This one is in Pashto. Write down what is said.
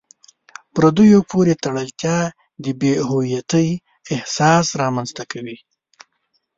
پردیو پورې تړلتیا د بې هویتۍ احساس رامنځته کوي.